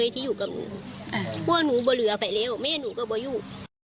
ที่อยู่กับหนูว่าหนูบะเรือไปแล้วแม่หนูก็บ่อยู่